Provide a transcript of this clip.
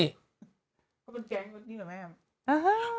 เขาเป็นแก๊งนี่ไหมแม่แล้ว